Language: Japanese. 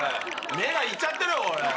目がいっちゃってるよ。